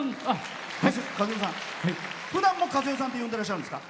ふだんもかずよさんって呼んでらっしゃるんですか？